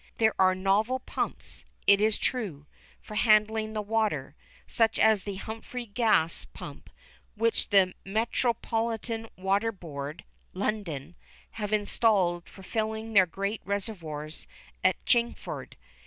There are novel pumps, it is true, for handling the water, such as the Humphrey Gas Pump, which the Metropolitan Water Board (London) have installed for filling their great reservoirs at Chingford.